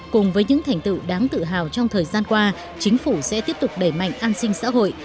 cùng với những thành tựu đáng tự hào trong thời gian qua chính phủ sẽ tiếp tục đẩy mạnh an sinh xã hội